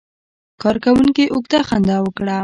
کارکونکي اوږده خندا وکړه.